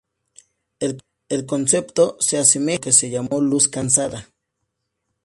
El concepto se asemeja a lo que se llamó Luz cansada, 'Tired light'.